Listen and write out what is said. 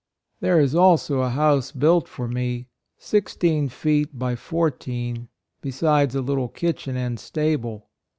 " There is also a house built for me, sixteen feet by fourteen, be sides a little kitchen and stable.